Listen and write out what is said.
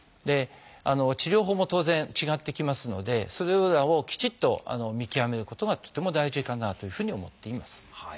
で治療法も当然違ってきますのでそれらをきちっと見極めることがとっても大事だなというふうに思っています。